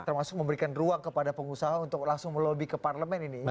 termasuk memberikan ruang kepada pengusaha untuk langsung melobi ke parlemen ini